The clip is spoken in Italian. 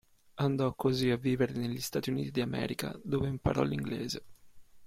Andò così a vivere negli Stati Uniti d'America, dove imparò l'inglese.